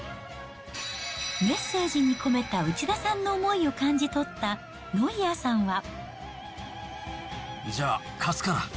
メッセージに込めた内田さんの思いを感じ取ったノイアーさんじゃあ、勝つから。